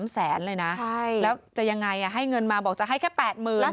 แสนเลยนะแล้วจะยังไงให้เงินมาบอกจะให้แค่๘๐๐๐